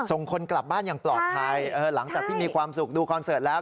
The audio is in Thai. ส่งคนกลับบ้านอย่างปลอดภัยหลังจากที่มีความสุขดูคอนเสิร์ตแล้ว